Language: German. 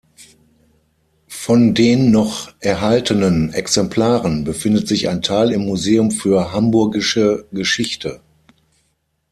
Von den noch erhaltenen Exemplaren befindet sich ein Teil im Museum für Hamburgische Geschichte.